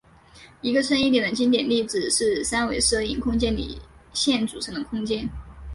一个深一点的经典例子是三维射影空间里线组成的空间。